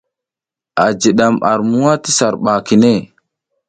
A jiɗam a muwa ti sar ɓa kine.